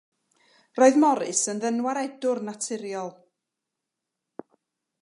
Roedd Morris yn ddynwaredwr naturiol.